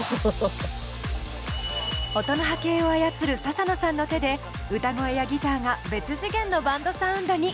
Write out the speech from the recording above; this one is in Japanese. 音の波形を操るササノさんの手で歌声やギターが別次元のバンドサウンドに。